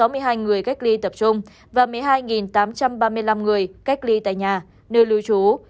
hiện có một bảy trăm sáu mươi hai người cách ly tập trung và một mươi hai tám trăm ba mươi năm người cách ly tại nhà nơi lưu trú